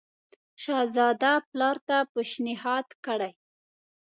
شهزاده پلار ته پېشنهاد کړی.